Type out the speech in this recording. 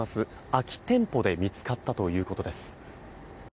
空き店舗で見つかったということです。